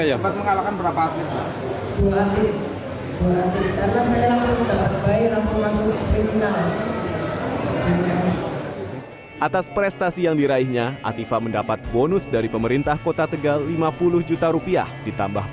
atlet berumur dua puluh tahun ini tercatat sebagai mahasiswi semester ketiga universitas negeri semara